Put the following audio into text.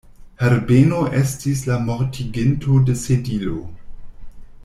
Herbeno estis la mortiginto de Sedilo.